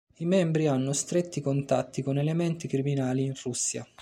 I membri hanno stretti contatti con elementi criminali in Russia.